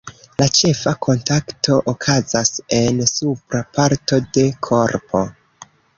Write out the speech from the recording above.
La ĉefa kontakto okazas en supra parto de korpo.